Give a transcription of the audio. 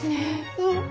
うん。